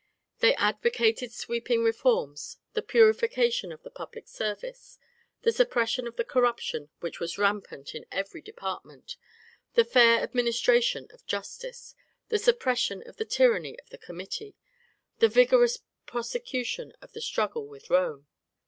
They advocated sweeping reforms, the purification of the public service, the suppression of the corruption which was rampant in every department, the fair administration of justice, the suppression of the tyranny of the committee, the vigourous prosecution of the struggle with Rome.